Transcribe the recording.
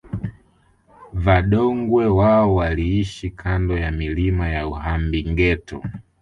Vadongwe wao waliishi kando ya milima ya Uhambingeto